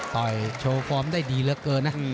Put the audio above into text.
โชว์ฟอร์มได้ดีเหลือเกินนะ